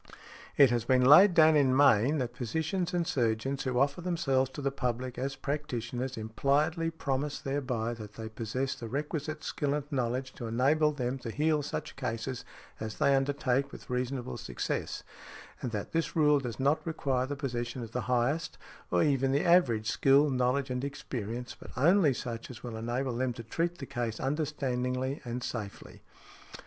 It has been laid down in Maine, that physicians and surgeons who offer themselves to the public as practitioners impliedly promise thereby that they possess the requisite skill and knowledge to enable them to heal such cases as they undertake with reasonable success; and that this rule does not require the possession of the highest, or even the average skill, knowledge and experience, but only such as will enable them to treat the case understandingly and safely .